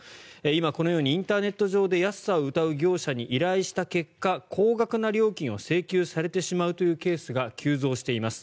今、このようにインターネット上で安さをうたう業者に依頼した結果高額な料金を請求されてしまうというケースが急増しています。